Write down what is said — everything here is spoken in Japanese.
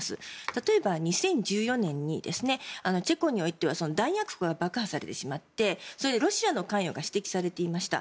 例えば２０１４年にチェコにおいては弾薬庫が爆破されてしまってロシアの関与が指摘されていました。